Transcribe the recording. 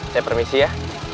saya permisi ya